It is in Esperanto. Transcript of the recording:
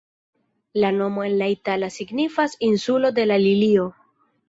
La nomo en la itala signifas "insulo de la lilio".